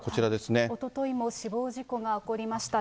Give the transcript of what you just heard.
おとといも死亡事故が起こりました。